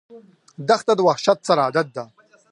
دښته د وحشت سره عادت ده.